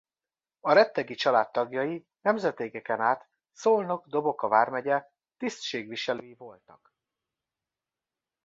A Rettegi család tagjai nemzedékeken át Szolnok-Doboka vármegye tisztségviselői voltak.